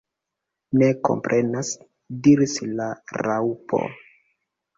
"Ne komprenas," diris la Raŭpo.